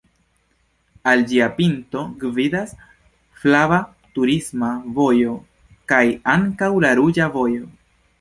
Al ĝia pinto gvidas flava turisma vojo kaj ankaŭ la ruĝa vojo.